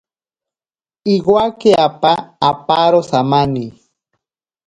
Iwake apa aparo samani.